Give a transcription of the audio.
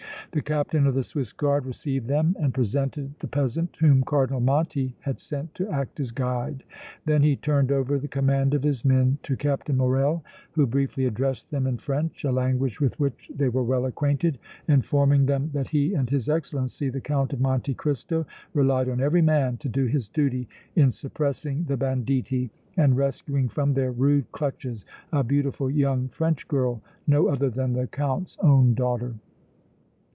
The Captain of the Swiss Guard received them and presented the peasant whom Cardinal Monti had sent to act as guide. Then he turned over the command of his men to Captain Morrel, who briefly addressed them in French, a language with which they were well acquainted, informing them that he and his Excellency, the Count of Monte Cristo, relied on every man to do his duty in suppressing the banditti and rescuing from their rude clutches a beautiful young French girl, no other than the Count's own daughter.